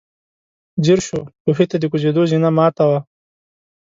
ځير شو، کوهي ته د کوزېدو زينه ماته وه.